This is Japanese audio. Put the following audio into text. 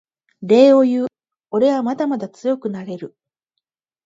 礼を言うおれはまだまだ強くなれる